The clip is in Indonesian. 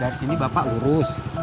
dari sini bapak lurus